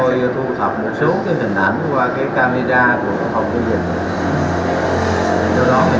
chúng tôi thu thập một số hình ảnh qua camera của công an tỉnh vĩnh long